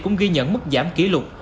cũng ghi nhận mức giảm kỷ lục